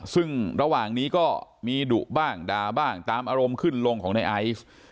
ซึ่งระหว่างนี้ก็มีดุบ้างด่าบ้างตามอารมณ์ขึ้นลงของในไอซ์